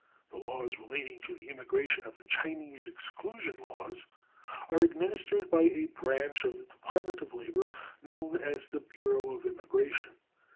The laws relating to immigration and the Chinese exclusion laws are administered by a branch of the Department of Labor known as the Bureau of Immigration.